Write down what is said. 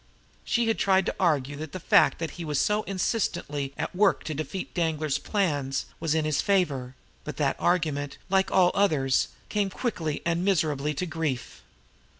She had tried to argue that the fact that he was so insistently at work to defeat Danglar's plans was in his favor; but that argument, like all others, came quickly and miserably to grief.